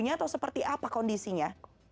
atau seperti apa kondisinya